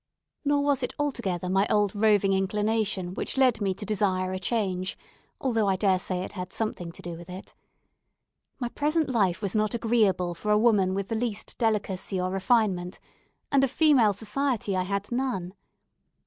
Nor was it altogether my old roving inclination which led me to desire a change, although I dare say it had something to do with it. My present life was not agreeable for a woman with the least delicacy or refinement; and of female society I had none.